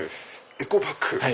エコバッグ。